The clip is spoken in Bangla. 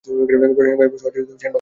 প্রশাসনিকভাবে শহরটি সেনবাগ উপজেলার সদর।